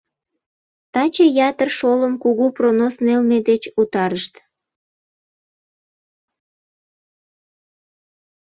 Таче ятыр шолым Кугу пронос нелме деч утарышт.